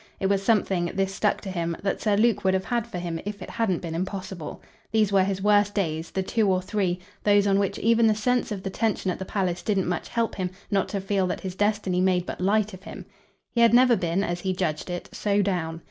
It was something this stuck to him that Sir Luke would have had for him if it hadn't been impossible. These were his worst days, the two or three; those on which even the sense of the tension at the palace didn't much help him not to feel that his destiny made but light of him. He had never been, as he judged it, so down.